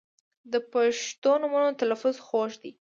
• د پښتو نومونو تلفظ خوږ دی.